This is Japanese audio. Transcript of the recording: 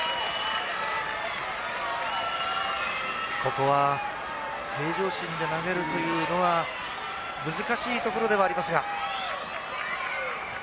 ここは平常心で投げるというのは難しいところではありますが。